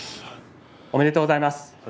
おめでとうございます。